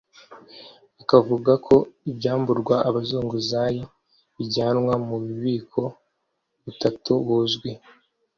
akavuga ko ibyamburwa abazunguzayi bijyanwa mu bubiko butatu buzwi